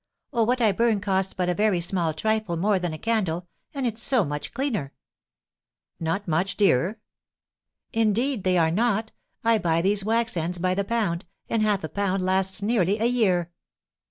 "Oh, what I burn costs but a very small trifle more than a candle, and it's so much cleaner!" "Not much dearer?" "Indeed, they are not! I buy these wax ends by the pound, and a half a pound lasts nearly a year."